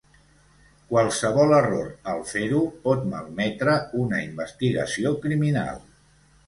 Qualsevol error al fer-ho pot malmetre una investigació criminal.